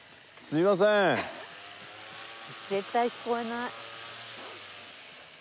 絶対聞こえない。